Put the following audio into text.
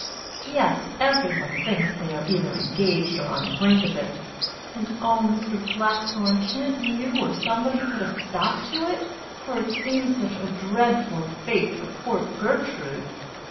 "Yes, every one thinks they are either engaged or on the brink of it. And oh, Mr. Blackthorne, can't you or somebody put a stop to it, for it seems such a dreadful fate for poor Gertrude?"